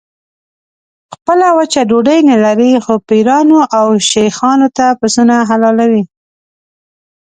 خپله وچه ډوډۍ نه لري خو پیرانو او شیخانو ته پسونه حلالوي.